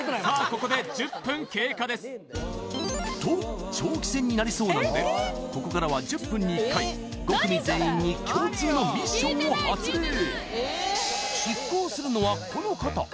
ここで１０分経過ですと長期戦になりそうなのでここからは１０分に１回５組全員に共通のミッションを発令この方！